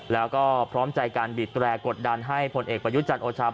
แล้วก็พร้อมใจการบีดแร่กดดันให้ผลเอกประยุจันทร์โอชา